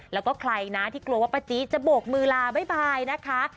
แล้วก็ใครนะที่กลัวว่าป้าจี๊จะโบกมือลาบ๊ายบายนะคะ